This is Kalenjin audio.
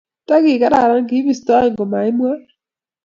nta ki kararan, kiibistoi ko maimwa